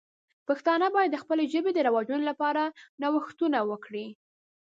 پښتانه باید د خپلې ژبې د رواجولو لپاره نوښتونه وکړي.